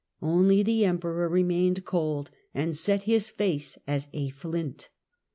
Only the Emperor remained cold, and " set his face as a flint."